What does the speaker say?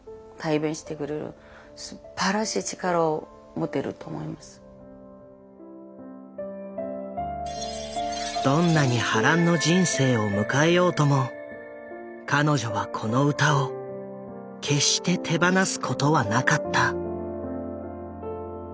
やっぱりどんなに波乱の人生を迎えようとも彼女はこの歌を決して手放すことはなかった。